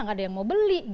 tidak ada yang mau beli